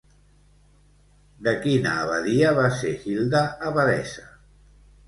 De quina abadia va ser Hilda abadessa?